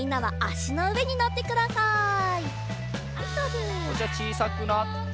それじゃちいさくなって。